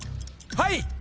はい！